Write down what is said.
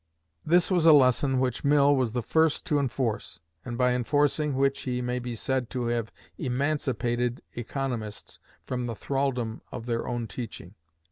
This was a lesson which Mill was the first to enforce, and by enforcing which he may be said to have emancipated economists from the thraldom of their own teaching.